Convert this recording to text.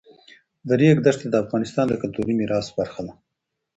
د ریګ دښتې د افغانستان د کلتوري میراث برخه ده.